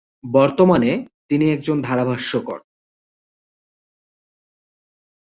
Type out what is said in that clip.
বর্তমানে তিনি একজন ধারাভাষ্যকার।